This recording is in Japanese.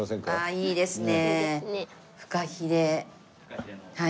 いいですね。